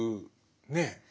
ねえ。